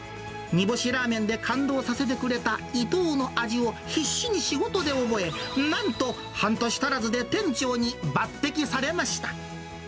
煮干しラーメンで感動させてくれた伊藤の味を、必死に仕事で覚え、なんと半年足らずで店長に抜てきされました。